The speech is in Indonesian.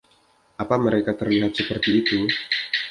Apakah mereka terlihat seperti itu?